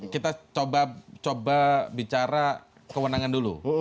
kita coba bicara kewenangan dulu